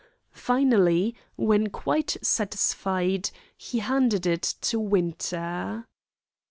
Finally, when quite satisfied, he handed it to Winter.